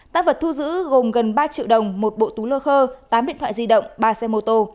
tăng vật thu giữ gồm gần ba triệu đồng một bộ tú lơ khơ tám điện thoại di động ba xe mô tô